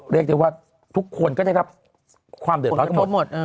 เรียกได้ว่าทุกคนก็ได้รับความเดือดร้อนกันหมด